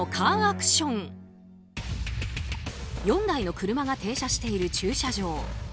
４台の車が停車している駐車場。